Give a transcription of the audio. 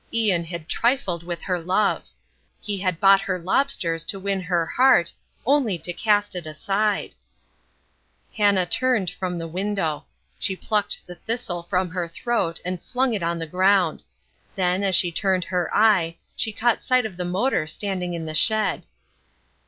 Ian had trifled with her love. He had bought her lobsters to win her heart, only to cast it aside. Illustration: "Hannah Understood" Hannah turned from the window. She plucked the thistle from her throat and flung it on the ground. Then, as she turned her eye, she caught sight of the motor standing in the shed.